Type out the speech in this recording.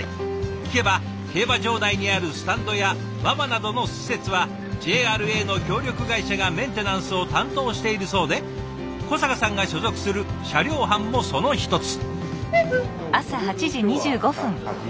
聞けば競馬場内にあるスタンドや馬場などの施設はＪＲＡの協力会社がメンテナンスを担当しているそうで小坂さんが所属する車両班もその一つ。